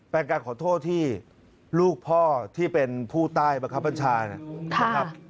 เป็นการขอโทษที่ลูกพ่อที่เป็นผู้ใต้บังคับบัญชานะครับ